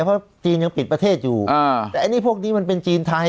เพราะจีนยังปิดประเทศอยู่แต่อันนี้พวกนี้มันเป็นจีนไทย